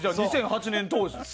２００８年当時。